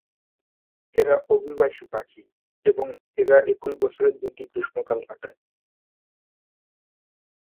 এরা অভিবাসী পাখি এবং একই বছরে দুটি গ্রীষ্মকাল কাটায়।